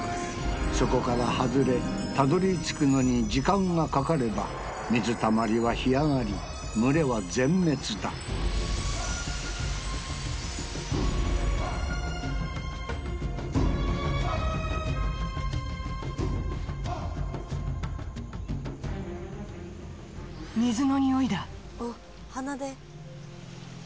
そこから外れたどり着くのに時間がかかれば水たまりは干上がり群れは全滅だ水のにおいだ